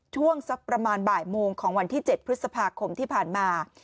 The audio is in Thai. ช่วงสักประมาณบ่ายโมงของวันที่๗พฤษภาคมที่ผ่านมา